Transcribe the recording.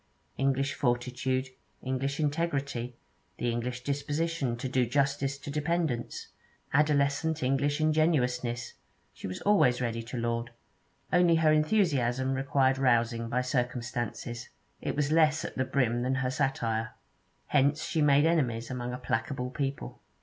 English fortitude, English integrity, the English disposition to do justice to dependents, adolescent English ingenuousness, she was always ready to laud. Only her enthusiasm required rousing by circumstances; it was less at the brim than her satire. Hence she made enemies among a placable people.